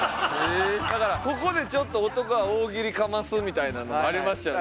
だからここでちょっと男は大喜利かますみたいなのありましたよね。